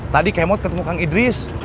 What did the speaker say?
tadi kemot ketemu kang idris